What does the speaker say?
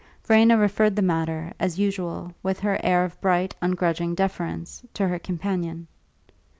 Verena referred the matter, as usual, with her air of bright, ungrudging deference, to her companion.